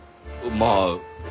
まあ。